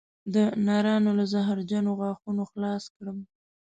د نرانو له زهرجنو غاښونو خلاص کړم